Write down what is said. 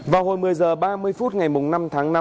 vào hồi một mươi h ba mươi phút ngày năm tháng năm